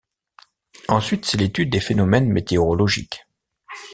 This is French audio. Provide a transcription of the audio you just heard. Ensuite, c'est l'étude des phénomènes météorologiques.